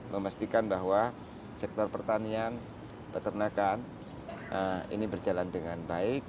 memastikan bahwa sektor pertanian peternakan ini berjalan dengan baik